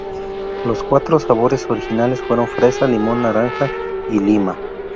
Los cuatro sabores originales fueron fresa, limón, naranja, y lima.